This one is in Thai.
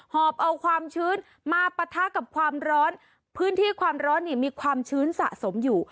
อบเอาความชื้นมาปะทะกับความร้อนพื้นที่ความร้อนเนี่ยมีความชื้นสะสมอยู่